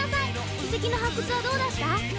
遺跡の発掘はどうだった？